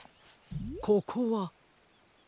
ここは。